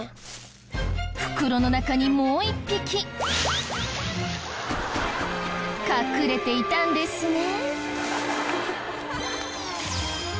袋の中にもう１匹隠れていたんですね。